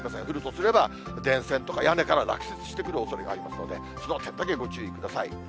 降るとすれば、電線とか屋根から落雪してくるおそれがありますので、転倒にはご注意ください。